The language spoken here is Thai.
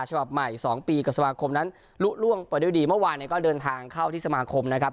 ฉบับใหม่๒ปีกับสมาคมนั้นลุล่วงไปด้วยดีเมื่อวานเนี่ยก็เดินทางเข้าที่สมาคมนะครับ